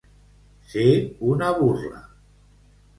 Ser una burla.